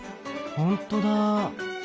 ほんとだ。